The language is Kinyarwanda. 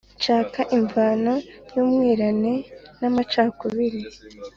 nshakira imvano y'umwiryane n'amacakubiri